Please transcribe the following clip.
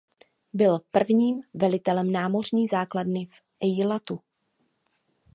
Byl prvním velitelem námořní základny v Ejlatu.